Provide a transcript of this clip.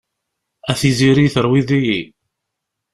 A tiziri terwid-iyi.